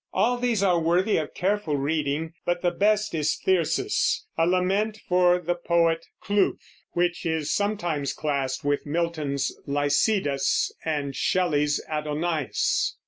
All these are worthy of careful reading, but the best is "Thyrsis," a lament for the poet Clough, which is sometimes classed with Milton's Lycidas and Shelley's Adonais.